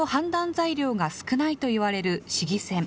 材料が少ないといわれる市議選。